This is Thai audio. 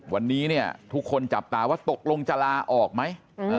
วันนี้เนี่ยทุกคนจับตาว่าตกลงจะลาออกไหม